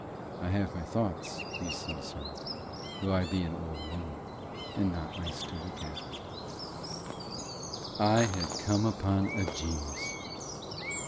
I have my thoughts, you see, sir, though I be an old woman; and not nice to look at." I had come upon a genius.